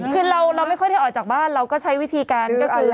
คือเราไม่ค่อยได้ออกจากบ้านเราก็ใช้วิธีการก็คือ